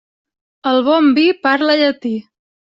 El bon vi parla llatí.